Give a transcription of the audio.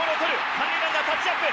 三塁ランナータッチアップ！